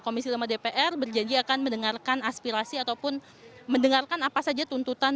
komisi lima dpr berjanji akan mendengarkan aspirasi ataupun mendengarkan apa saja tuntutan